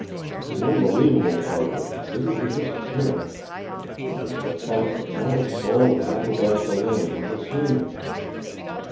The unbelievable part of it isn't her disappearance. It's the fact that not a soul in Athabasca Landing has seen her!